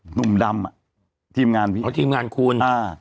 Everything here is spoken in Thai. หนุ่มดำอะทีมงานคูณ